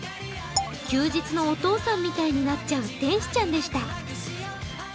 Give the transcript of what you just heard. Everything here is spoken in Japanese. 休日のお父さんみたいになっちゃう天使ちゃんでした。